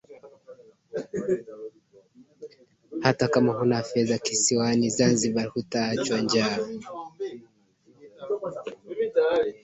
Hata kama huna fedha kisiwani Zanzibar hutaachwa njaa